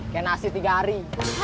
kayak nasi tiga hari